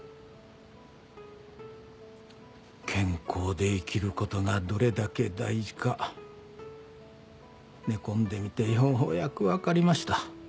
健康で生きることがどれだけ大事か寝込んでみてようやく分かりました。